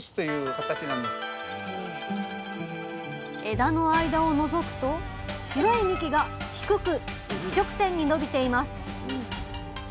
枝の間をのぞくと白い幹が低く一直線に伸びています。